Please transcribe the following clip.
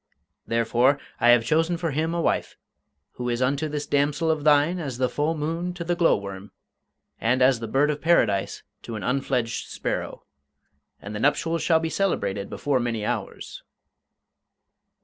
Therefore, I have chosen for him a wife, who is unto this damsel of thine as the full moon to the glow worm, and as the bird of Paradise to an unfledged sparrow. And the nuptials shall be celebrated before many hours."